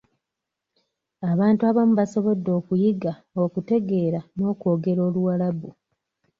Abantu abamu basobodde okuyiga, okutegeera n'okwogera Oluwalabu.